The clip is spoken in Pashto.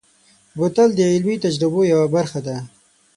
بوتل د علمي تجربو یوه برخه ده.